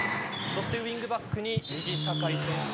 そしてウイングバックに右酒井選手